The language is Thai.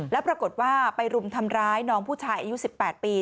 แล้วปรากฏว่าไปรุมทำร้ายน้องผู้ชายอายุ๑๘ปี